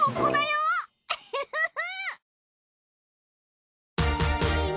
ウフフフ。